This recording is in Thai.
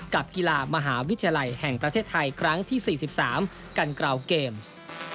กับกีฬามหาวิทยาลัยแห่งประเทศไทยครั้งที่๔๓กันกราวเกมส์